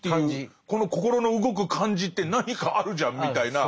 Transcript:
この心の動く感じって何かあるじゃんみたいな。